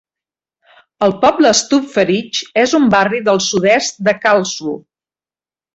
El poble Stupferich és un barri del sud-est de Karlsruhe.